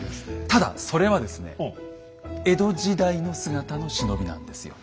ただそれはですね江戸時代の姿の忍びなんですよ。